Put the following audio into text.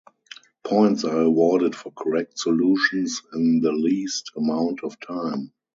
Points are awarded for correct solutions in the least amount of time.